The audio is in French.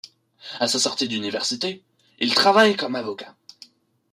À sa sortie d'université, il travaille comme avocat.